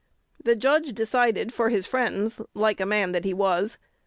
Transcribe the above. The judge decided for his friends, like a man that he was.